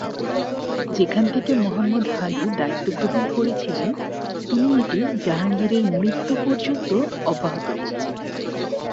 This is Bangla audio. যেখান থেকে, মুহাম্মদ হাদী দায়িত্ব গ্রহণ করেছিলেন, তিনি এটি জাহাঙ্গীরের মৃত্যু পর্যন্ত অব্যাহত রেখেছিলেন।